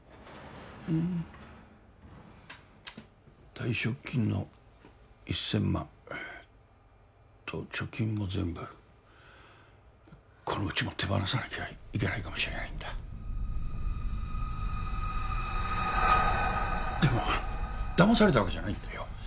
うん退職金の１０００万と貯金も全部この家も手放さなきゃいけないかもしれないんだでもだまされたわけじゃないんだよ